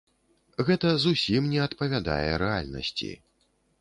Гэта зусім не адпавядае рэальнасці.